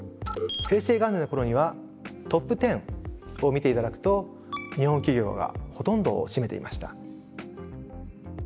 平成元年の頃にはトップ１０を見て頂くと日本企業がほとんどを占めていました。